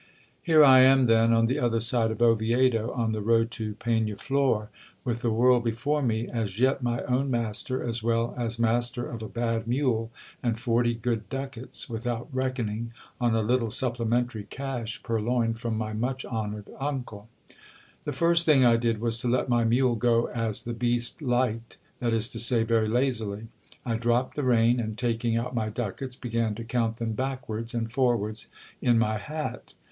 Here I am, then, on the other side of Oviedo, on the road to Pegnaflor, with the world before me, as yet my own master, as well as master of a bad mule and forty good ducats, without reckoning on a little supplementary cash pur loined from my much honoured uncle. The first thing I did was to let my mule go as the beast liked, that is to say, very lazily.. I dropped the rein, and taking out my ducats, began to count them backwards and forwards in my hat.